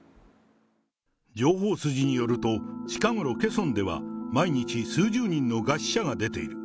情報筋によると、近頃、ケソンでは毎日数十人の餓死者が出ている。